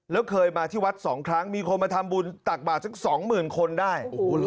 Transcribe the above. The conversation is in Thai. แล้วเคยมาที่วัด๒ครั้งมีคนมาทำบุญตักบาทสัก๒๐๐๐คนได้